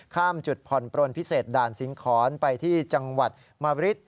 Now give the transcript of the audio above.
จุดผ่อนปลนพิเศษด่านสิงหอนไปที่จังหวัดมะริด